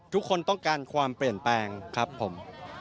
ทุกคนต้องการความเปลี่ยนแปลงครับผม